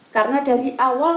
karena dari awal